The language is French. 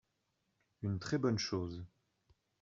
une très bonne chose.